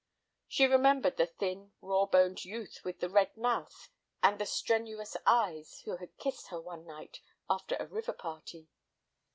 She remembered the thin, raw boned youth with the red mouth and the strenuous eyes who had kissed her one night after a river party.